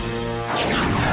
jangan lupa untuk berlangganan